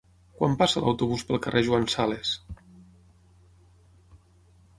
Quan passa l'autobús pel carrer Joan Sales?